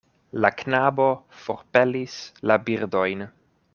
La knabo forpelis la birdojn.